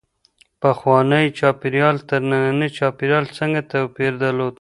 پخوانی چاپېریال تر ننني چاپېریال څنګه توپیر درلود؟